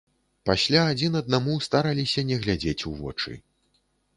Пасля адзін аднаму стараліся не глядзець у вочы.